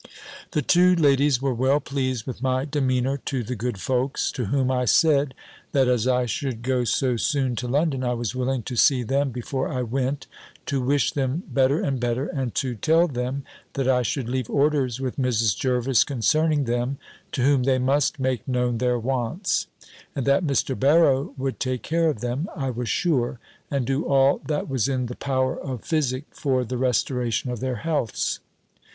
The two ladies were well pleased with my demeanour to the good folks: to whom I said, that as I should go so soon to London, I was willing to see them before I went, to wish them better and better, and to tell them, that I should leave orders with Mrs. Jervis concerning them, to whom they must make known their wants: and that Mr. Barrow would take care of them, I was sure; and do all that was in the power of physic for the restoration of their healths.